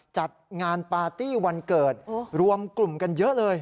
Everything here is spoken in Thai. จัดงานปาร์ตี้วันเกิดรวมกลุ่มกันเยอะเลย